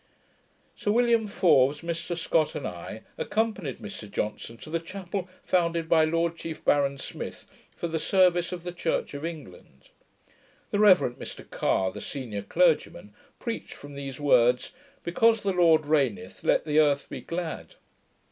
Sir William Forbes, Mr Scott, and I, accompanied Mr Johnson to the chapel, founded by Lord Chief Baron Smith, for the Service of the Church of England. The Reverend Mr Carre, the senior clergyman, preached from these words, 'Because the Lord reigneth, let the earth be glad.'